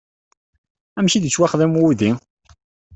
Amek ay d-yettwaxdam wudi?